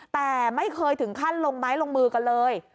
แต่ไม่เคยถึงขั้นลงไม้ลงมือกันเลย